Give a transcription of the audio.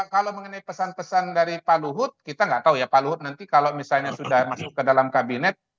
kalau mengenai pesan pesan dari pak luhut kita nggak tahu ya pak luhut nanti kalau misalnya sudah masuk ke dalam kabinet